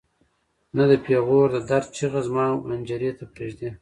نه د پېغور د درد چیغه زما حنجرې ته پرېږدي.